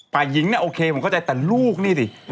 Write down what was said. ฝ่ายหญิงเนี่ยโอเคผมเข้าใจแต่ลูกนี่ดิ